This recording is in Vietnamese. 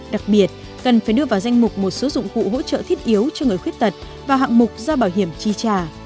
đặc biệt cần phải đưa vào danh mục một số dụng cụ hỗ trợ thiết yếu cho người khuyết tật vào hạng mục do bảo hiểm chi trả